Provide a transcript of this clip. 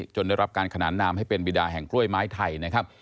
ได้รับการขนานนามให้เป็นบิดาแห่งกล้วยไม้ไทยนะครับ